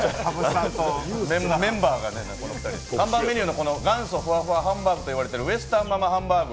看板メニューの元祖ふわふわハンバーグと言われているウエスタンママハンバーグ。